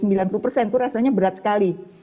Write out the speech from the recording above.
itu rasanya berat sekali